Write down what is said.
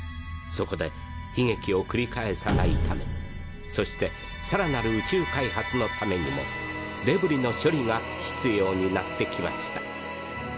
そこで悲劇をくり返さないためそしてさらなる宇宙開発のためにもデブリの処理が必要になってきました。